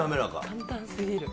簡単すぎる。